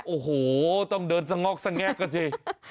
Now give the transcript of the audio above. โอ้โหต้องเดินสังงอกสังแก๊บกันเถียง